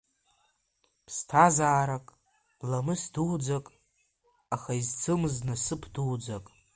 Ԥсҭазарак ламыс дуӡӡак, аха изцымыз насыԥ дуӡӡак.